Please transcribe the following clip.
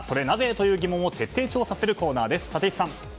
という疑問を徹底調査するコーナーです。